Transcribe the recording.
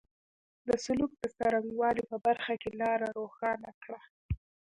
د سلوک د څرنګه والي په برخه کې لاره روښانه کړه.